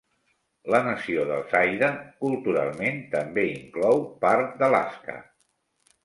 La nació dels Haida, culturalment, també inclou part d'Alaska.